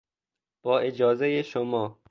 با اجازهی شما